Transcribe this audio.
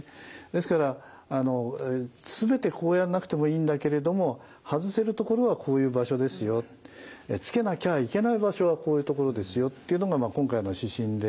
ですから全てこうやんなくてもいいんだけれども外せるところはこういう場所ですよつけなきゃいけない場所はこういうところですよっていうのが今回の指針で。